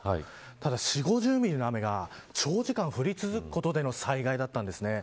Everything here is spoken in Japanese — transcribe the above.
ただ４、５０ミリの雨が長時間降り続くことでの災害だったんですね。